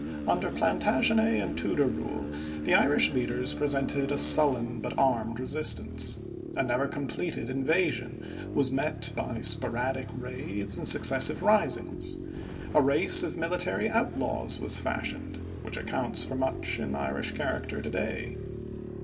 Under Plantagenet and Tudor rule, the Irish leaders presented a sullen but armed resistance. A never completed invasion was met by sporadic raids and successive risings. A race of military outlaws was fashioned, which accounts for much in Irish character today.